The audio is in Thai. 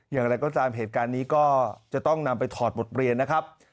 อย่างไรก็ตามเหตุการณ์นี้ก็จะต้องนำไปถอดบทเรียนนะครับ